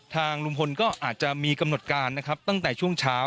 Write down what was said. ทางลุงพลก็อาจจะมีกำหนดการนะครับตั้งแต่ช่วงเช้า